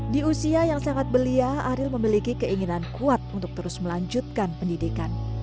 di usia yang sangat belia ariel memiliki keinginan kuat untuk terus melanjutkan pendidikan